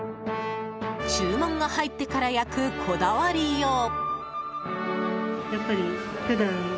注文が入ってから焼くこだわりよう。